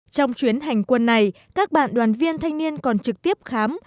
trong chuyến hành quân này các bạn đoàn viên thanh niên còn trực tiếp khám